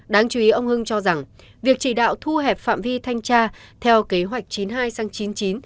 đáng chú ý ông hưng cho rằng việc chỉ đạo thu hẹp phạm vi thanh tra theo kế hoạch chín mươi hai sang chín mươi chín